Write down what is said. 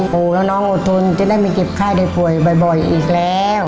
ปู่แล้วน้องอดทนจะได้ไม่เจ็บไข้ได้ป่วยบ่อยอีกแล้ว